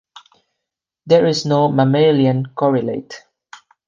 There is no mammalian correlate.